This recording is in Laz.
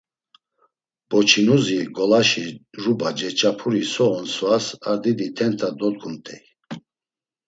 Boçinuzi ngolaşi ruba ceç̌apuri so on svas ar didi tenta dodgumt̆ey.